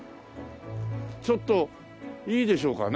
ちょっといいでしょうかね？